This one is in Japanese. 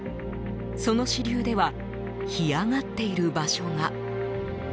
その支流では干上がっている場所が。